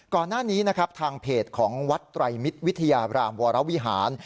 ก่อนหน้านี้นะครับทางเพจของวัดไตรมิตรวิทยาบรามวรวิหาร